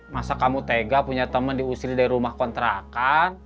masa kamu tega punya teman diusir dari rumah kontrakan